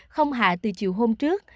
không hạ từ chiều hôm trước